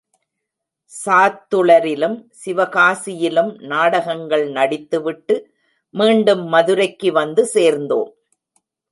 சாத்துளரிலும் சிவகாசியிலும் நாடகங்கள் நடித்துவிட்டு மீண்டும் மதுரைக்கு வந்து சேர்ந்தோம்.